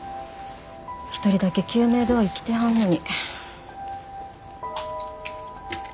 一人だけ救命胴衣着てはんのに。